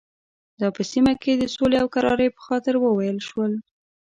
دا په سیمه کې د سولې او کرارۍ په خاطر وویل شول.